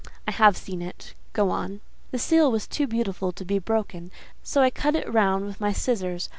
"I have seen it: go on." "The seal was too beautiful to be broken, so I cut it round with my scissors.